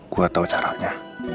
gua tau caranya